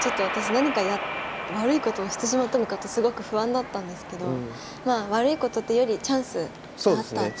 私何か悪いことをしてしまったのかとすごく不安だったんですけどまあ悪いことというよりチャンスがあった。